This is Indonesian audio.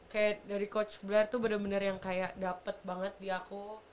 kayak dari coach black tuh bener bener yang kayak dapet banget di aku